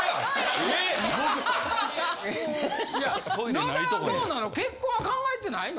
野田はどうなの？